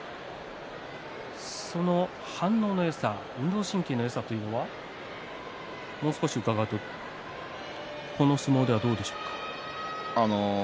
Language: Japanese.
その反応のよさ運動神経のよさというのはもう少し伺うとこの相撲ではどうでしょうか。